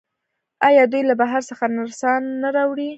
آیا دوی له بهر څخه نرسان نه راوړي؟